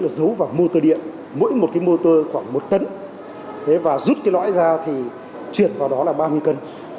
dấu vào motor điện mỗi một cái motor khoảng một tấn và rút cái lõi ra thì chuyển vào đó là ba mươi cân